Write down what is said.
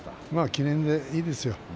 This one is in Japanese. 記念でいいですよ。